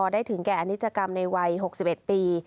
ถึงแก่อนิจกรรมในวัย๖๑ปี